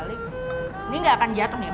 ini nggak akan jatuh ya pak